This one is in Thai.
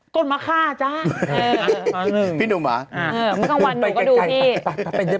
กลมมาฆ่าจ๊ะพี่หนุ่มหวะไม่กลางวันหนูก็ดูพี่